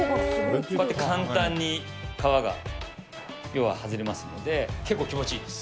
こうやって簡単に皮が、ようは外れますので、結構、気持ちいいです。